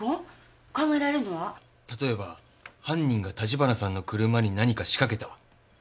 例えば犯人が橘さんの車に何か仕掛けた。